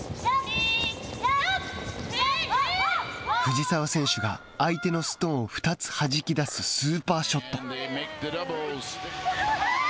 藤澤選手が相手のストーンを２つはじき出すスーパーショット。